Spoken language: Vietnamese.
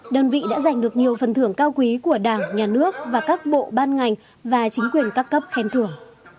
đơn vị đã giành được nhiều phần thưởng cao quý của đảng nhà nước và các bộ ban ngành và chính quyền các cấp khen thưởng